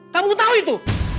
kamu tahu itu